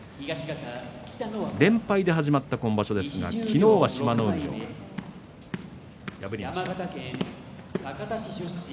連敗で始まった今場所ですが昨日は志摩ノ海を破りました。